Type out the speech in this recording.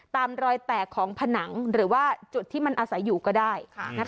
ตามรอยแตกของผนังหรือว่าจุดที่มันอาศัยอยู่ก็ได้